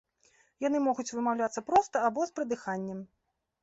Яны могуць вымаўляцца проста або з прыдыханнем.